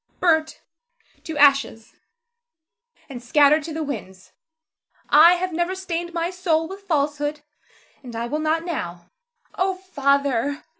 Zara. Burnt to ashes, and scattered to the winds. I have never stained my soul with falsehood, and I will not now. Oh, Father!